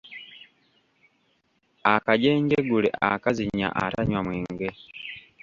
Akajenjegule akazinya atanywa mwenge.